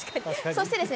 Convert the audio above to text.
そして。